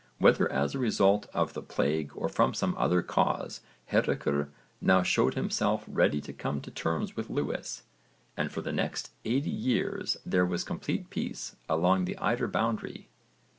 Whether as a result of the plague or from some other cause Hárekr now showed himself ready to come to terms with Lewis, and for the next eighty years there was complete peace along the Eider boundary.